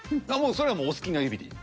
それはもうお好きな指でいい。